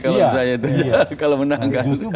kalau misalnya terjadi kalau menang kan